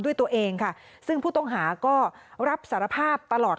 ด้วยตัวเองค่ะซึ่งผู้ต้องหาก็รับสารภาพตลอด